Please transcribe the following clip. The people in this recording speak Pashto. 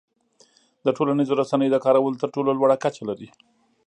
د ټولنیزو رسنیو د کارولو تر ټولو لوړه کچه لري.